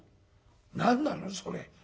「何なの？それ」。